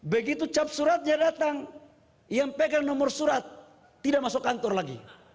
begitu cap suratnya datang yang pegang nomor surat tidak masuk kantor lagi